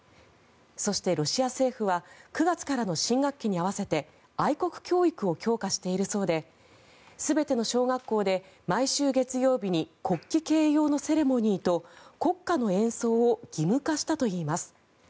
そして、ロシア政府は９月からの新学期に合わせて愛国教育を強化しているそうで全ての小学校で毎週月曜日に国旗掲揚のセレモニーと国歌の演奏を義務化したといいます。